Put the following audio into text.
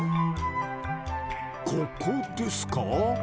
ここですか？